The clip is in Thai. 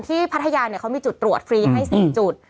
พัทยาเขามีจุดตรวจฟรีให้๔จุด